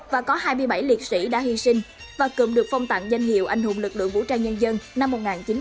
và có hai mươi bảy liệt sĩ đã hy sinh và cùng được phong tặng danh hiệu anh hùng lực lượng vũ trang nhân dân năm một nghìn chín trăm tám mươi